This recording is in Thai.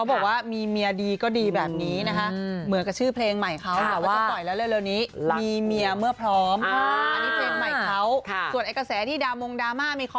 สไพร์อีกอย่างนึงคือมันเป็นรายการที่แพงมาก